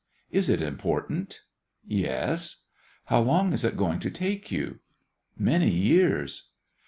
"Is it important?" "Yes." "How long is it going to take you?" "Many years."